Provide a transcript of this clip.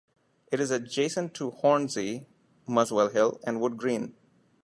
It is adjacent to Hornsey, Muswell Hill and Wood Green.